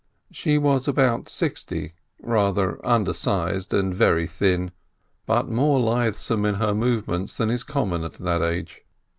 She was about sixty, rather undersized, and very thin, but more lithesome in her movements than is common at that age.